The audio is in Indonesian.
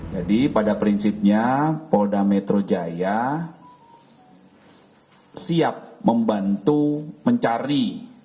jadi pada prinsipnya polda metro jaya siap membantu mencari